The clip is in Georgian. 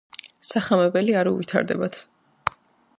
სახამებელი არ უვითარდებათ.